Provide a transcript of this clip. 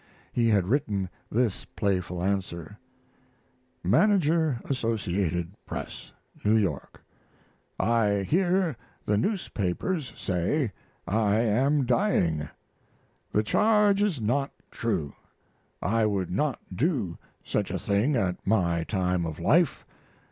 He had written this playful answer: MANAGER ASSOCIATED PRESS, New York. I hear the newspapers say I am dying. The charge is not true. I would not do such a thing at my time of life.